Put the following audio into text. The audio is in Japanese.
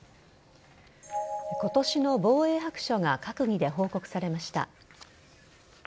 今年の防衛白書が閣議で報告されました。